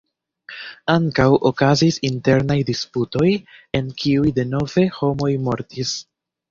Ankaŭ okazis internaj disputoj, en kiuj denove homoj mortis.